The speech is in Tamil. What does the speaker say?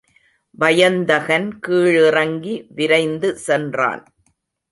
வயந்தகன் கீழிறங்கி விரைந்து சென்றான்.